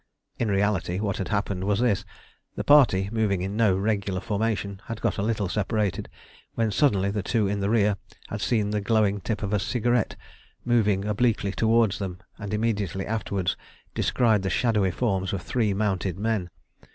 In reality, what had happened was this: the party, moving in no regular formation, had got a little separated, when suddenly the two in the rear had seen the glowing tip of a cigarette moving obliquely towards them, and immediately afterwards descried the shadowy forms of three mounted men.